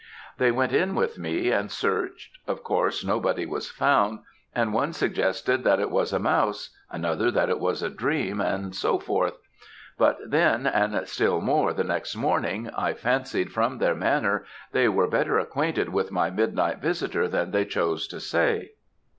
They went in with me and searched; of course, nobody was found; and one suggested that it was a mouse, another that it was a dream, and so forth. But then, and still more the next morning, I fancied, from their manner, they were better acquainted with my midnight visitor than they chose to say.